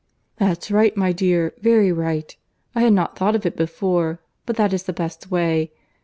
"That's right, my dear, very right. I had not thought of it before, but that is the best way.